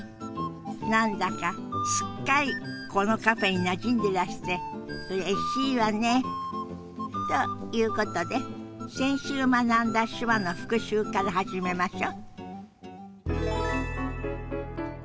何だかすっかりこのカフェになじんでらしてうれしいわね。ということで先週学んだ手話の復習から始めましょ。